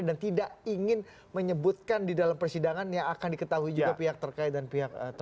dan tidak ingin menyebutkan di dalam persidangan yang akan diketahui juga pihak terkait dan pihak termohon